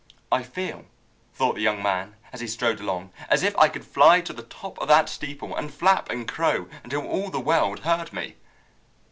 "I feel," thought the young man, as he strode along, "as if I could fly to the top of that steeple, and flap and crow until all the world heard me."